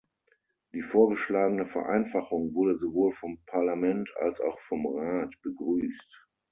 Die vorgeschlagene Vereinfachung wurde sowohl vom Parlament als auch vom Rat begrüßt.